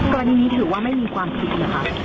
ตอนนี้ถือว่าไม่มีความผิดไหมครับ